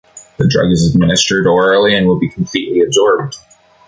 The drug is administered orally and will be completely absorbed.